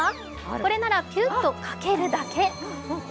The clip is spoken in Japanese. これなら、ぴゅーっとかけるだけ。